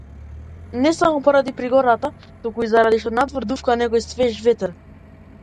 Не само поради пригодата, туку заради тоа што надвор дувка некој свеж ветер.